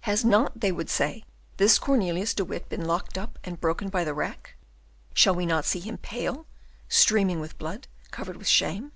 "Has not," they would say, "this Cornelius de Witt been locked up and broken by the rack? Shall we not see him pale, streaming with blood, covered with shame?"